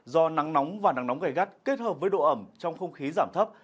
do nắng nóng và nắng nóng gây gắt kết hợp với độ ẩm trong không khí giảm thấp